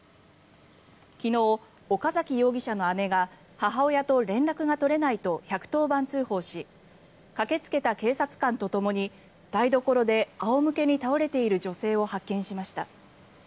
昨日、岡崎容疑者の姉が母親と連絡が取れないと１１０番通報し駆けつけた警察官とともに台所で仰向けに倒れている女性を発見しました。